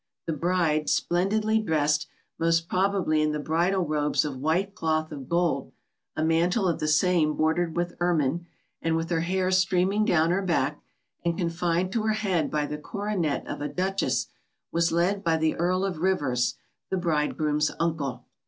The bride, splendidly dressed, most probably in the bridal robes of white cloth of gold, a mantle of the same bordered with ermine, and with her hair streaming down her back, and confined to her head by the coronet of a duchess, was led by the Earl of Rivers, the bridegroom's uncle.